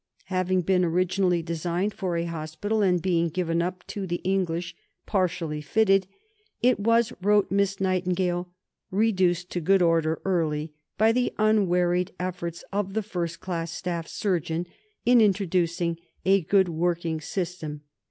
Having been originally designed for a hospital, and being given up to the English partially fitted, it was, wrote Miss Nightingale, "reduced to good order early, by the unwearied efforts of the first class Staff Surgeon in introducing a good working system.